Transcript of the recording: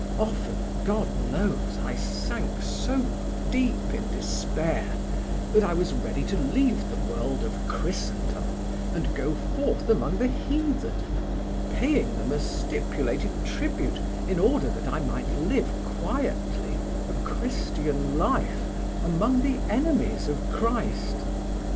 Often, God knows, I sank so deep in despair that I was ready to leave the world of Christendom and go forth among the heathen, paying them a stipulated tribute in order that I might live quietly a Christian life among the enemies of Christ.